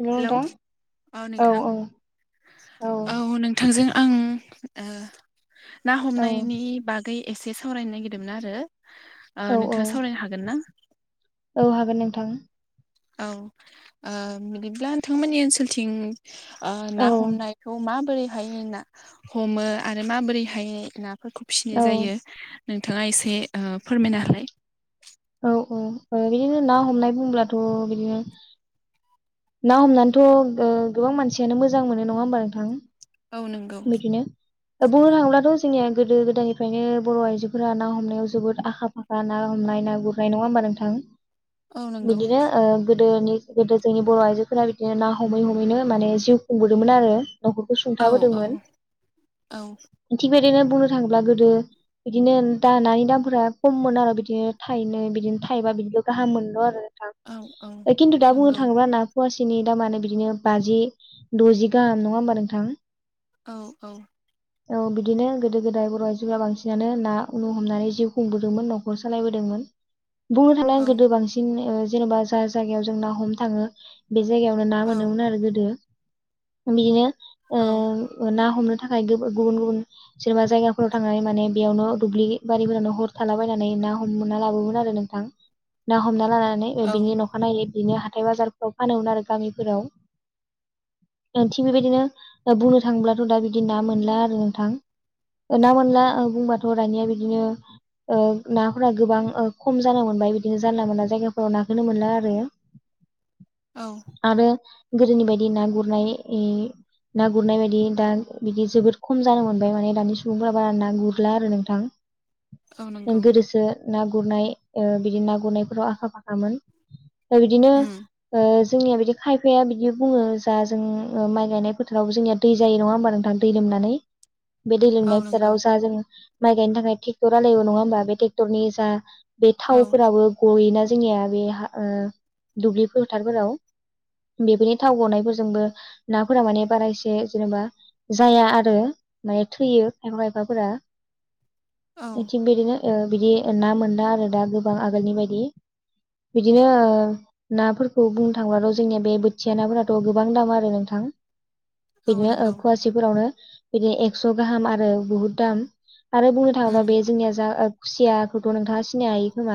हेल' hello नोंथां औ नोंथां औ नोंथांजों आं ओ ना औ हमनायनि बागै एसे सावरायनो नागिरदोंमोन आरो। ओ औ औ नोंथाङा सावरायनो हागोन ना? औ हागोन नोंथां। औ बिदिब्ला नोंथांमोननि ओनसोलथिं ओ ना औ हमनायखौ माबोरैहाय ना हमो? आरो माबोरैहाय ना फोरखौ फिसिनाय औ जायो? नोंथाङा एसे ओ फोरमायना होलाय? औ बिदिनो ना हमनाय बुंब्लाथ' बिदिनो ना हमनानैथ' ओ गोबां मानसियानो मोजां मोनो नङा होमबा नोंथां। औ नंगौ। दा बुंनो थाङोब्लाथ' जोंनिया गोदो गोदायनिफ्रायनो बर' आइजोफोरा ना हमनायाव जोबोद आखा फाखा ना हम नाय ना गुरनाय नङा होनबा नोंथां। औ नंगौ बिदिनो ओ गोदोनि गोदो जोंनि बर' आइजोफोरा बिदिनो ना हमै हमैनो माने जिउ खुंबोदोंमोन आरो। न'खरखौ औ औ सुंथाबोदोंमोन। औ थिग बेदिनो बुंनो थाङोब्ला गोदो बिदिनो दा नानि दामफोरा खममोन आरो बिदिनो थायनै बिदिनो थाइबा बिदिल' गाहाम मोनल' आरो। थां औ औ ओ खिन्थु दा बुंनो नंगौ थाङोबा ना माखासेनि दामानो बिदिनो बाजि द'जि गाहाम नङा होमबा नोंथां। औ औ औ बिदिनो गोदो गोदाय बर' आइजोफोरा बांसिनानो ना न' हमनानै जिउ खुंबोदोंमोन न'खर सालायबोदोंमोन। बुंनो थाङो औ आं गोदो बांसिन ओ जेन'बा जा जायगायाव जों ना हमनो थाङो। बे जायगायावनो ना मोनोमोन आरो गोदो बिदिनो औ ओ ना हमनो थाखाय गो गुबुन गुबुन जेनेबा जायगाफोराव थांनानै माने बेयावनो दुब्लि बारिफोरावनो हर थालाबायना नै ना हमना लाबोयोमोन आरो नोंथां। ना हमना लानानै ओ औ बिनि अखा नायै बिनि हाथाय बाजारफोराव फानोमोन आरो गामिफोराव ओ थिग बेबायदिनो ओ बुंनो थांब्लाथ' दा बिदि ना मोनला आरो नोंथां। ओ ना मोनला ओ बुंबाथ' दानिया बिदिनो ओ नाफोरा गोबां ओ खम जालांनो मोनबाय बिदिनो जानला मोनला जायगाफोराव नाखौ मोनला आरो। [inaudible] आरो गोदोनि बायदि ना गुरनाय इ ना गुरनाय बायदि दा बिदि जोबोद खम जानो मोनबाय माने दानि सुबुंफोरा बारा ना गुरला आरो नोंथां। औ ओं नंगौ गोदोसो ना गुरनाय ओ बिदि ना गुरनायफोराव आखा फाखामोन। दा बिदिनो उम ओ जोंनिया बिदि खायफाया बिदि बुङो जा जों ओ माइ गायनाय फोथाराव जोंनिया दै जायो नङा होमबा नोंथां। दै दै लोमनानै बे दै औ लोमनाय नंगौ फोथोराव जा जों माइ गायनो थाखाय ट्रेक्टर हालेवयो नङा होमबा। बे ट्रेक्टरनि जा बे औ थावफोराबो गयोना जोंनिया बे हा ओ दुब्लि फोथारफोराव बेफोरनि थाव गनायफोरजोंबो नाफोरा माने बारा एसे जेनेबा जाया आरो। नाया थैयो खायफा खायफाफोरा। [inaudible] एथि बिबादिनो ओ बिदि ना मोना आरो दा गोबां आगोलनि बादि। बिदिनो नाफोरखौ बुंनो थांब्लाथ' जोंनिया बे बोथिया नाफोराथ' गोबां दाम आरो नोंथां। औ बिदिनो ओ नंगौ फुवासेफोरावनो बिदिनो एक्स' गाहाम आरो बहुद दाम। आरो बुंनो थाङोब्ला उम बे जोंनिया जा खुसियाखौथ' नोंथाङा सिनाय हायो खोमा।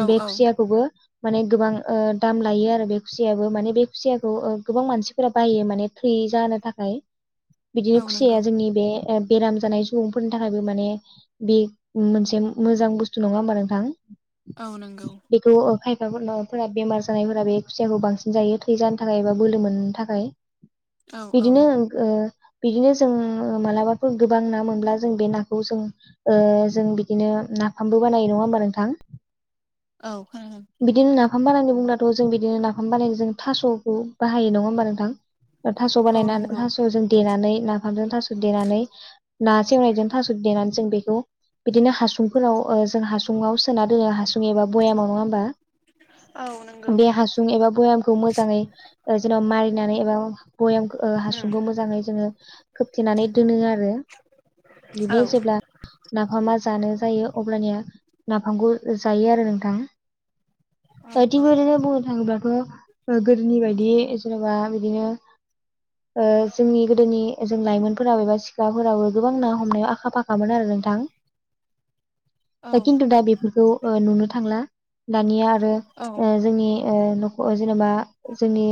औ बे औ खुसियाखौबो माने गोबां ओ दाम लायो आरो बे खुसियाबो माने बे खुसियाखौ ओ गोबां मानसिफोरा बायो माने थै जा नो थाखाय औ बिदिनो नंगौ खुसिया जोंनि बे ओ बेराम जानाय सुबुंफोरनि थाखायबो माने बे मोनसे मोजां बुस्थु नङा होमबा नोंथां। औ नंगौ। बिथांमोनना फोरा बेमार जानायफोरा बे खुसियाखौ बांसिन जायो थै जानो थाखाय एबा बोलो मोननो थाखाय। औ औ बिदिनो ओ बिदिनो जों मालाबाफोर गोबां ना मोनब्ला जों बे नाखौ जों ओ जों बिदिनो नाफामबो बानायो नङा होमबा नोंथां। औ खोनादों। बिदिनो नाफाम बानायनि बुंब्लाथ' जों बिदिनो नाफाम बानायो जों थास'खौ बाहायो नङा होमबा नोंथां। थास' औ बानायनानै नंगौ थास' जों देनानै ना फामजों थास' देनानै ना सेवनायजों थास' देनानै जों बेखौ बिदिनो हासुंफोराव ओ जों हासुङाव सोना दोनो हासुं एबा बयामाव नङा होमबा। औ। बे हासुं एबा भयामखौ मोजाङै ओ जेन'बा मारिनानै एबा भयाम ओ हासुंखौ मोजाङै जोङो खोबथेनानै दोनो आरो। औ बिदिनो जेब्ला नाफामा जानो जायो अब्लानिया नाफामखौ जायो आरो नोंथां। औ ओ थिग औ बेबायदिनो बुंनो थाङोब्लाथ' ओ गोदोनि बायदि जेन'बा बिदिनो ओ जोंनि गोदोनि जों लाइमोन फोराव एबा सिखाफोरावबो गोबां ना हमनायाव आखा-फाखामोन आरो नोंथां। औ खिन्थु दा बेफोरखौ ओ नुनो थांला दानिया आरो ओ जोंनि ओ न'खर जेनेबा जोंनि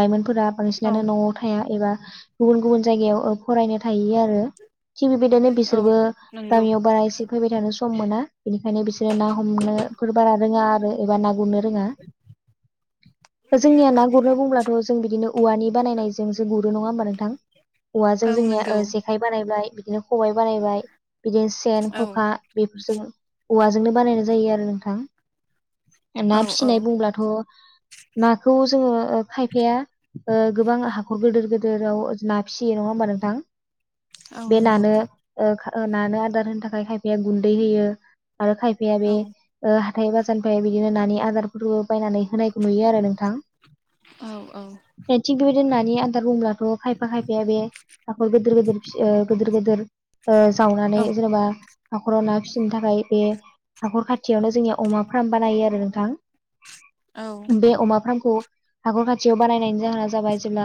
लाइमोनफोरा औ बांसिनानो न'आव थाया एबा गुबुन गुबुन जायगायाव ओ फरायनो थायो आरो। थि बेबायदिनो औ बिसोरबो नंगौ गामियाव बारा एसे फैबाय थानो स सम मोना बेनिखायनो बिसोरो ना हमनोफोर बारा रोङा आरो एबा ना गुरनो रोङा। जोंनिया ना गुरनो बुंब्लाथ' जों बिदिनो औवानि बानायनायजों सो गुरो नङा होमबा नोंथां। औवाजों औ जोंनिया ओ नंगौ जेखाय बानायबाय। बिदिनो खबाइ बानायबाय बिदिनो सेन, औ खखा जों औवाजोंनो बानायनाय जायो आरो नोंथां। औ ना औ फिसिनाय बुंब्लाथ' नाखौ जोङो ओ खायफाया ओ गोबां हाखर गोदोर गोदोराव ना फिसियो नङा होमबा नोंथां। औ बे नंगौ नानो ओ खा नानो आदार होनो थाखाय खायफाया गुन्दै होयो। आरो खायफाया बे औ ओ हाथाय बाजार ओ बिनिफाय नानि आदारफोरबो बायनानै होनायखौ नुयो आरो नोंथां। औ औ। दोननानै आदार रुमब्लाथ' खायफा खायफाया बे हाखर गोदोर गोदोर फिस ओ गोदोर गोदोर ओ जावनानै औ जेनेबा हाखराव ना फिसिनो थाखाय बे हाख'र खाथियावनो जोंनिया अमा फार्म बानायो आरो नोंथां बे अमा फार्मखौ हाखर खाथियाव बानायनायनि जाहोना जाबाय जेब्ला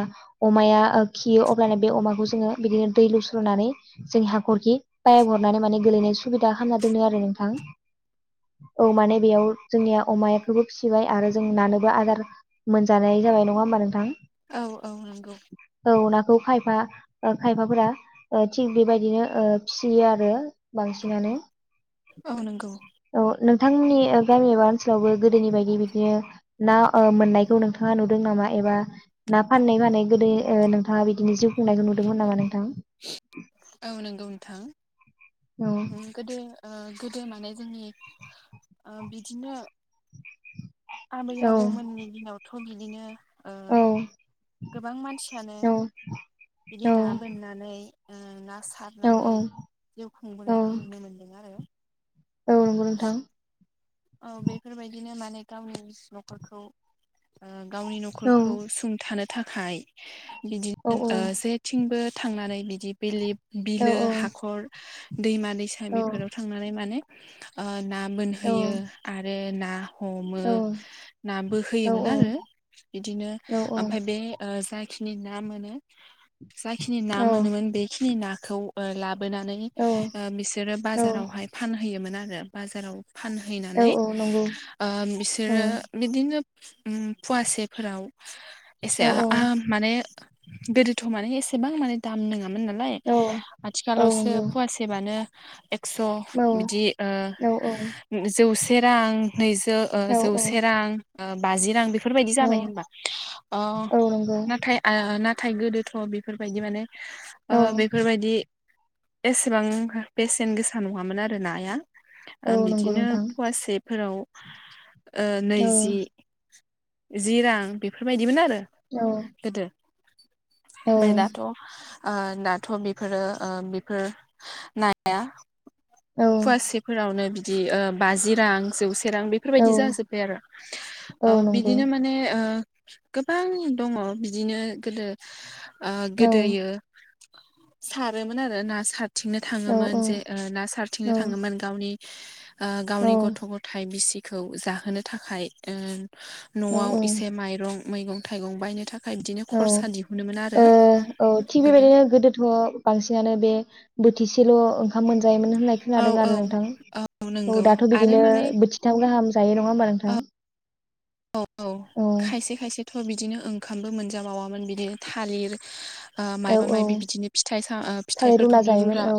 अमाया ओ खियो अब्लना बे अमाखौ जोङो बिदिनो दै लुस्रनानै जोंनि हाखरखि पायेब हरनानै माने गोलैनाय सुबिदा खामना दोनो आरो नोंथां। औ माने बेयाव जोंनिया अमाखौबो फिसिबाय आरो जों नानोबो आदार मोनजानाय जाबाय नङा होमबा नोंथां? औ औ नंगौ। औ नाखौ खायफा खायफाफोरा थिग बेबायदिनो फिसियो आरो बां फिसिनानै औ नंगौ नोंथांमोननि गामि एबा ओनसोलावबो गोदोनि बायदि बिदिनो ना मोननायखौ नोंथाङा नुदों नामा एबा ना फाननाय माने गोदो नोंथाङा बिदिनो जिउ खुंनायखौ नुदोंमोन नामा नोंथां? औ नंगौ नोंथां। औ नंगौ दे। गोदो माने जोंनि बिदिनो आबै औ आबौमोननि दिनावथ' बिदिनो ओ औ गोबां मानसियानो औ बिदि औ ना गोन होनानै ना औ सारनानै जिउ औ खुंबोनायखौ नुनो मोन्दों आरो औ नंगौ नोंथां। औ बेफोरबायदिनो माने गावनि न'खरखौ ओ गावनि औ न'खरखौ सुंथानो थाखाय औ बिदिनो ओ जेथिंबो थांनानै बिदि बेलिब औ बिलो औ हाखर दैमा दैसा बेफोराव थांनानै माने ओ ना बोनहोयो, आरो ना हमो ना बोहोयोमोन आरो बिदिनो ओमफ्राय बे जाय खिनि ना मोनो जाखिनि ना मोनोन बेखिनि नाखौ ला बोनानै बिसोरो बाजारावहाय फानहैयोमोन आरो बाजाराव फान फैनानै औ नंगौ ओ बिसोरो औ बिदिनो फुवासेफोराव औ औ एसे माने गोदोथ' माने एसेबां माने दाम नङा हामोन नालाय औ औ आथिखालावसो नंगौ फवासेबानो स बिदि औ औ ओ जौसे रां नै जौ औ जौसे रां बाजि रां बे बेफोरबायदि जाबाय होनबा ओ औ नंगौ नाथाय नाथाय गोदोथ' बेफोरबायदि माने ओ औ बेफोरबायदि एसेबां बेसेन गोसा नङामोन आरो नाया औ ओ बि- नंगौ बिदिनो नोंथां फवासेफोराव ओ औ नैजि जि रां बेफोरबायदिमोन आरो औ। गोदो औ ओमफ्राय दाथ' ओ दाथ' बेफोरो बेफोर नाया फवासेफोरावनो बिदि बाजि रां जौसे रां औ बेफोरबायदि जाजोब्बाय आरो औ ओ नंगौ बिदिनो माने ओ गोबां दङ बिदिनो गोदो ओ औ गोदोयो। सारोमोन आरो ना सारथिंनो औ औ थाङोमोन जे ना सारथिंनो थाङोमोन गावनि ओ गावनि गथ' गथाय बिसिखौ जाहोनो थाखाय ओ औ न'आव इसे माइरं मैगं थाइगं बायनो थाख औ ओ औ थिग गोदो बेबायदिनो गोदोथ' बांसिनानो बे बोथिसेल' ओंखाम मोन जायोमोन होननाय औ खोनादों औ आरो नोंथां औ नंगौ दाथ' आरो बिदिनो माने बोथिथाम गाहाम जायो नङा होमबा नोंथां? औ औ खायसे खायसे थ बिदिनो ओंखामबो मोनजा बावामोन बिदिनो थालिर, ओ औ मायबा औ मायबि बिदिनो फिथाइ सा थालिर रुना फिथाइफोरखौनो जायोमोन रुला औ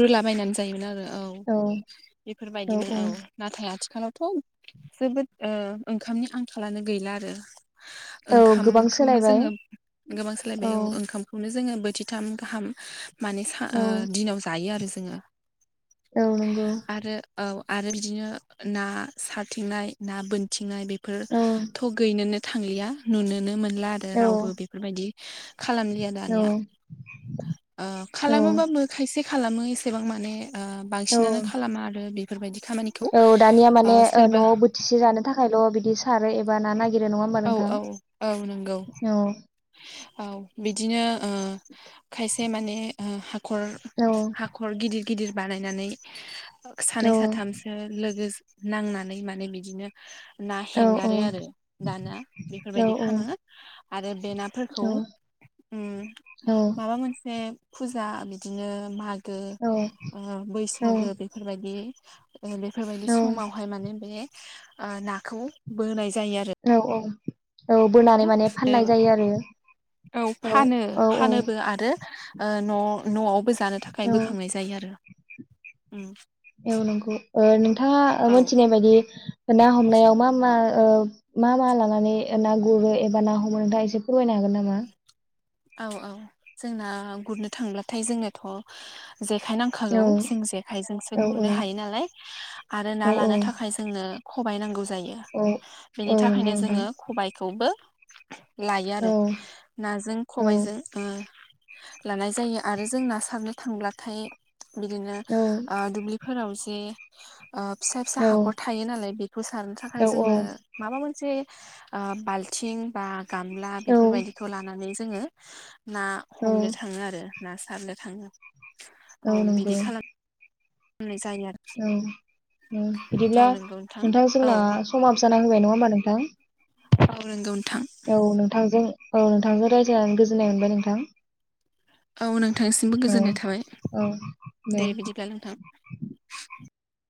रुलाबायनानै जायोमोन आरो औ बेफोरबायदिनो औ नाथाय आथिखालावथ' जोबोद ओंखामनि आंखालानो गैला आरो औ गोबां ओंखामखौनो सोलायबाय जोङो गोबां औ सोलायबाय ओंखामखौनो जोङो बोथिथाम गाहाम माने औ दिनाव जायो आरो जोङो। औ नंगौ आरो औ आरो बिदिनो ना सारथिंनाय ना बोनथिंनाय औ बेफोरथ' गैनोनो थांलिया नुनोनो मोनला आरो औ रावबो बेफोरबायदि खालामलिया औ दानिया औ खालामोबाबो खायसे खालामो एसेबां माने औ बांसिनानो खालामा आरो बेफोरबायदि खामानिखौ औ दानिया माने ओ न'आव बोथिसे जानो थाखायल' बिदि सारो एबा ना नागिर औ औ औ नंगौ औ औ बिदिनो ओ खायसे माने ओ हाखर औ हाखर गिदिर गिदिर बानायनानै औ सानै साथामसो लोगो- नांनानै माने बिदिनो ना औ हेंगारो आरो दाना औ बेफोरबायदि खालामो आरो बे औ नाफोरखौ उम माबा मोनसे बे फुजा बिदिनो मागो ओ औ बैसागु बेफोरबायदि बेफोरबायदि समावहाय माने बे नाखौ बोनाय जायो आरो। औ औ। औ बोनानै माने आरो फाननाय जायो आरो औ फानो औ औ फानोबो आरो न' न'आवबो जानो थाखाय औ बोखांनाय जायो आरो उम औ नंगौ नोंथाङा औ मोनथिनाय बायदि ना हमनायाव मा मा मा मा लानानै ना गुरो एबा ना हमो नोंथाङा एसे फोरमायना गोन नामा औ औ जोंना गुरनो थांब्लाथाय जोंनाथ' जेखाइ नांखागौ औ जों जेखाइजोंसो औ गुरनो हायो नालाय आरो ना औ लानो औ थाखाय जोंनो खबाय नांगौ जायो औ औ बेनि नंगौ थाखायनो जोङो नोंथां खबाय खौबो लायो आरो औ नाजों औ खबायजों ओम लानाय जायो आरो जों ना सारनो थांब्लाथाय बिदिनो दुब्लिफोराव जे फिसा फिसा हाखर थायो नालाय बेखौ सारनो थाखाय जोंनो औ माबा मोनसे से बाल्थिं बा गामला औ बेफोरबायदिखौ लानानै जोङो ना औ हमनो थाङो आरो ना सारनो थाङो। औ नोंगौ। [inaudible] औ ओ बिदिब्ला औ नंगौ नोंथां औ जोंना समाबो जाना होबाय नङा होमबा नों [inaudible] औ नोंगौ नोंथां। औ नोंथांजों औ नोंथांजों रायज्लायनानै गोजोननाय मोनबाय नोंथां। औ नोंथांनिसिमबो गोजोननाय औ थाबाय औ दे बिदिब्ला नोंथां